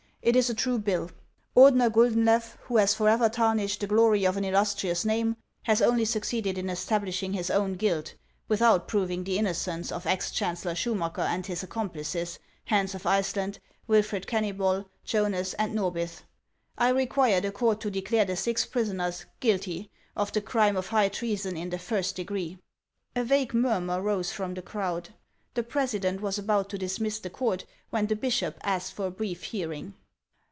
It is a true bill. Ordener Guldenlew, who has forever tarnished the glory of an illustrious name, has only succeeded in establishing his own guilt without proving the innocence of ex chancellor Schumacker and his accomplices, Hans of Ice land, Wilfred Kenny bol, Jonas, and Norbith. I require the court to declare the six prisoners guilty of the crime of high treason in the first degree." A vague murmur rose from the crowd. The president was about to dismiss the court, when the bishop asked for a brief hearing.